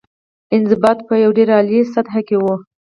انضباط په ډېره عالي سطح کې وه.